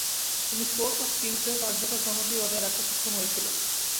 তিনি "sport of কিংস"—এ কার্যকর সংহতি বজায় রাখতে সক্ষম হয়েছিলেন।